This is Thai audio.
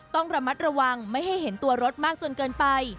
ต้องระมัดระวังไม่ให้เห็นตัวรถมากจนเกินไป